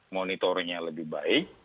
monitore nya lebih baik